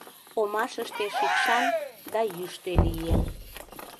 Омашыште шикшан да йӱштӧ лие.